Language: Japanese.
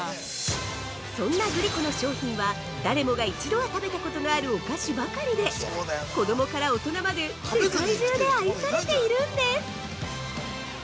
そんなグリコの商品は誰もが一度は食べたことのあるお菓子ばかりで、子供から大人まで世界中から愛されているんです。